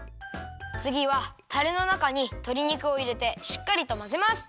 つぎはタレのなかにとり肉をいれてしっかりとまぜます。